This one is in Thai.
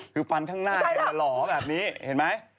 คือฟันข้างหน้าแกหล่อแบบนี้เห็นไหม